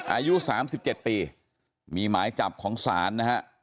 อายุ๓๗ปีมีหมายจับของศาลนะฮะ